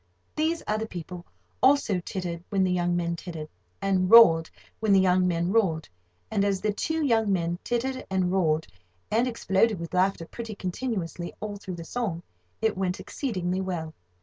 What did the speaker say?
These other people also tittered when the young men tittered, and roared when the young men roared; and, as the two young men tittered and roared and exploded with laughter pretty continuously all through the song, it went exceedingly well.